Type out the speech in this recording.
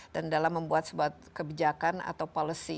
dan dalam membuat sebuah kebijakan atau policy